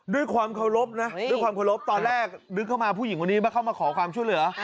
ด้วยความเคารพนะด้วยความเคารพตอนแรกนึกเข้ามาผู้หญิงคนนี้มาเข้ามาขอความช่วยเหลือ